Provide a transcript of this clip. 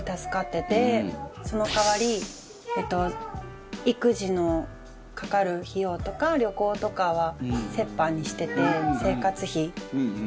その代わり育児のかかる費用とか旅行とかは折半にしてて生活費。